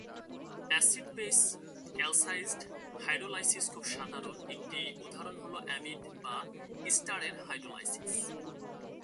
Acid-base-catalysed hydrolysis খুবই সাধারণ; একটি উদাহরণ হল অ্যামিড বা ইস্টারের হাইড্রোলাইসিস।